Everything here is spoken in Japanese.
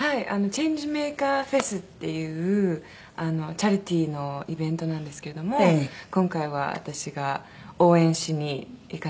チェンジメーカー・フェスっていうチャリティーのイベントなんですけども今回は私が応援しに行かせていただいて。